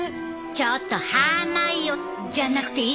ちょっとハーマイオじゃなくて石原ちゃん！